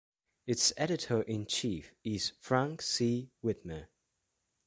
Its editor-in-chief is Franz C. Widmer.